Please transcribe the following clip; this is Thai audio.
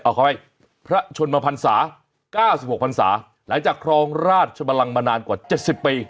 เอาขออภัยพระชนมพันศา๙๖พันศาหลังจากครองราชบลังมานานกว่า๗๐ปี